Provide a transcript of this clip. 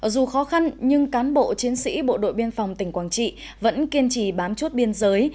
dù khó khăn nhưng cán bộ chiến sĩ bộ đội biên phòng tỉnh quảng trị vẫn kiên trì bám chốt biên giới